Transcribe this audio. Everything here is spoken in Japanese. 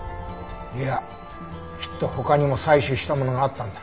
いやきっと他にも採取したものがあったんだ。